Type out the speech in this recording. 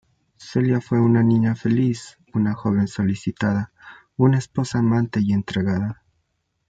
Celia fue una niña feliz, una joven solicitada, una esposa amante y entregada.